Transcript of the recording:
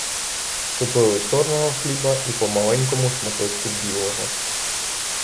Купили чорного хліба і по маленькому шматочку білого.